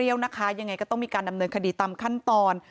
ยังไงก็ต้องมีการดำเนินคดีตามขั้นตอน